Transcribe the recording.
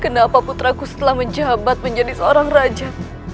kenapa putra ku setelah menjabat menjadi seorang raja